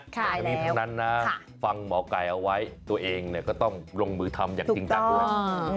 แต่ทั้งนี้ทั้งนั้นนะฟังหมอไก่เอาไว้ตัวเองก็ต้องลงมือทำอย่างจริงจังด้วย